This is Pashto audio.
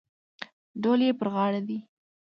ډول یې پر غاړه دی.